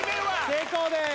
成功です